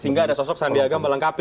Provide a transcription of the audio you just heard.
sehingga ada sosok sandiaga melengkapi